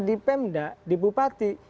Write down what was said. di pemda di bupati